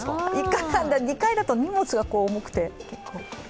２階だと荷物が重くて。